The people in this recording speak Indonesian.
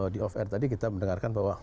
di off air tadi kita mendengarkan bahwa